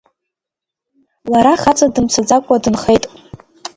Лара хаҵа дымцаӡакәа дынхеит.